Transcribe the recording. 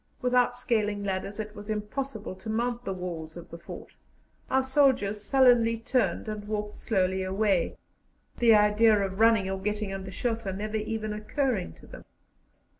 Without scaling ladders, it was impossible to mount the walls of the fort. Our soldiers sullenly turned and walked slowly away, the idea of running or getting under shelter never even occurring to them.